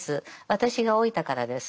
私が老いたからです。